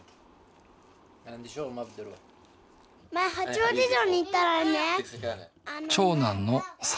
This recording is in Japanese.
前八王子城に行ったらね。